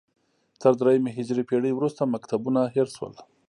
تر درېیمې هجري پېړۍ وروسته مکتبونه هېر شول